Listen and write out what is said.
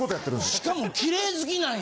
しかも綺麗好きなんや。